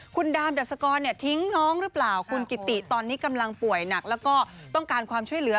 คุณดามดัสกรทิ้งน้องหรือเปล่าคุณกิติตอนนี้กำลังป่วยหนักแล้วก็ต้องการความช่วยเหลือ